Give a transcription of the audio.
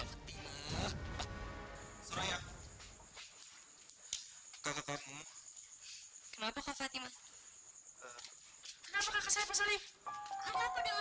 kenapa dengan kakak saya bersalim